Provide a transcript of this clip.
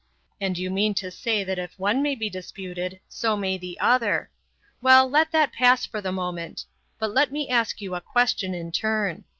And you mean to say that if one may be disputed, so may the other. Well, let that pass for the moment. But let me ask you a question in turn.